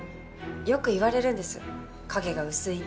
よく言われるんです影が薄いって。